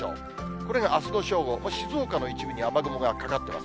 これがあすの正午、静岡の一部に雨雲がかかっています。